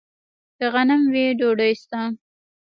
که غنم وي، ډوډۍ شته.